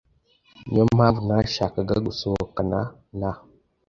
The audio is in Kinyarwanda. Niyo mpamvu ntashakaga gusohokana na .